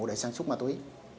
để sản xuất ma túy